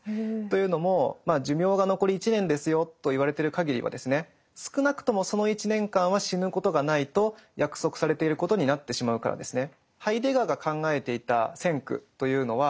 というのも寿命が残り１年ですよと言われてる限りはですね少なくともその１年間は死ぬことがないと約束されていることになってしまうからですね。